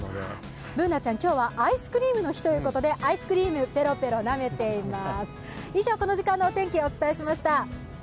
Ｂｏｏｎａちゃん、今日はアイスクリームの日ということでアイスクリーム、ペロペロなめてます。